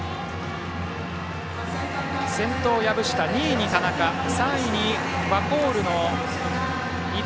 先頭が籔下、２位に田中３位にワコールの井手。